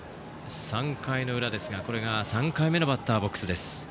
３回の裏ですが、これが３回目のバッターボックスです。